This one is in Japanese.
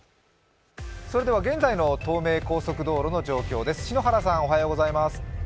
現在の東名高速道路の状況です。